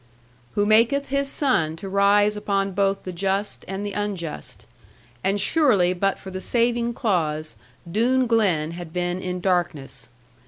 Who maketh His sun to rise upon both the just and the unjust. And surely but for the saving clause, Doone Glen had been in darkness.